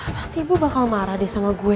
pasti ibu bakal marah nih sama gue